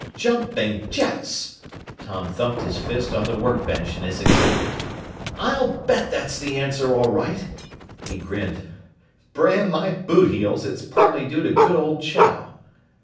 "Jumping jets!" Tom thumped his fist on the workbench in his excitement. "I'll bet that's the answer, all right!" He grinned. "Brand my boot heels, it's partly due to good old Chow!"